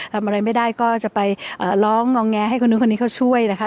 ทำอะไรไม่ได้ก็จะไปร้องงอแงให้คนนู้นคนนี้เขาช่วยนะคะ